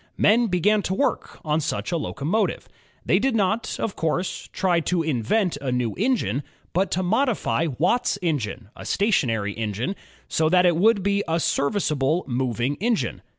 Men began to work on such a locomotive. They did not, of course, try to invent a new engine, but to modify Watt's engine, a stationary engine, so that it would be a serviceable moving engine.